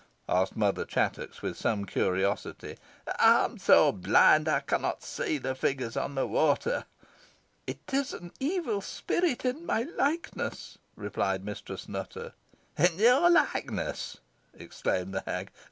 asked Mother Chattox, with some curiosity. "I am so blind I cannot see the figures on the water." "It is an evil spirit in my likeness," replied Mistress Nutter. "In your likeness!" exclaimed the hag.